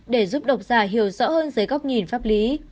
để giúp độc giả hiểu rõ hơn dưới góc nhìn pháp lý